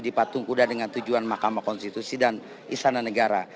dipatung kuda dengan tujuan makam konstitusi dan istana negara